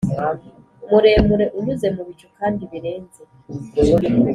muremure unyuze mu bicu kandi birenze